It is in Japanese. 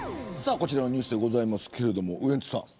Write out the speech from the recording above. こちらのニュースですけどウエンツさん